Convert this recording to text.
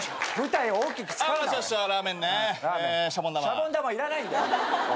シャボン玉いらないんだよ。